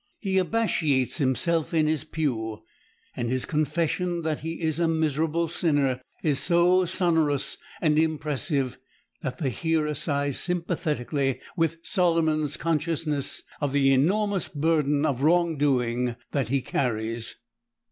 He "abashiates" himself in his pew, and his confession that he is a miserable sinner is so sonorous and impressive that the hearer sighs sympathetically with Solomon's consciousness of the enormous burden of wrong doing that he carries.